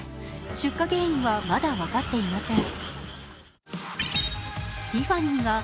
出火原因はまだ分かっていません。